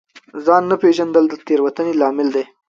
ځان نه پېژندل د تېروتنې لامل دی.